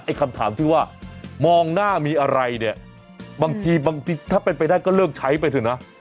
คำถามที่ว่ามองหน้ามีอะไรเนี่ยบางทีบางทีถ้าเป็นไปได้ก็เลิกใช้ไปเถอะนะ